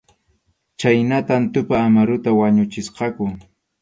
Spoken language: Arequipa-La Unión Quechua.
Chhaynatam Tupa Amaruta wañuchisqaku.